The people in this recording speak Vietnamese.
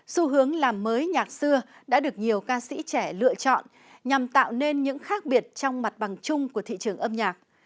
xu hướng làm mới nhạc xưa đã được nhiều ca sĩ trẻ lựa chọn nhằm tạo nên những khác biệt trong mặt bằng chung của thị trường âm nhạc